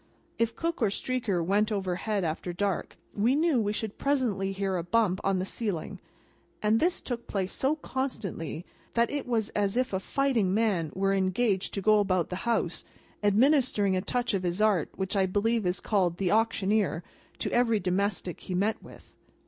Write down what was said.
If Cook or Streaker went overhead after dark, we knew we should presently hear a bump on the ceiling; and this took place so constantly, that it was as if a fighting man were engaged to go about the house, administering a touch of his art which I believe is called The Auctioneer, to every domestic he met with.